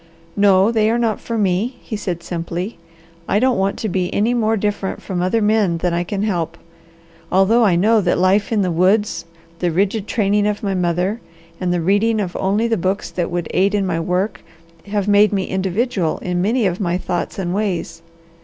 "No, they are not for me," he said simply. "I don't want to be any more different from other men than I can help, although I know that life in the woods, the rigid training of my mother, and the reading of only the books that would aid in my work have made me individual in many of my thoughts and ways.